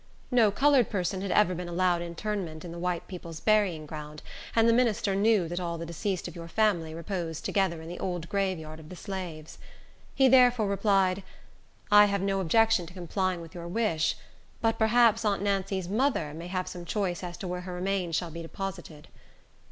No colored person had ever been allowed interment in the white people's burying ground, and the minister knew that all the deceased of your family reposed together in the old graveyard of the slaves. He therefore replied, "I have no objection to complying with your wish; but perhaps aunt Nancy's mother may have some choice as to where her remains shall be deposited."